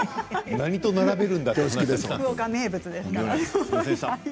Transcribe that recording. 何と並べるんだと。